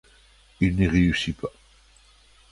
Il n'y réussit pas.